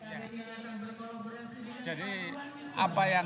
ya jadi kita akan berkolaborasi dengan orang orang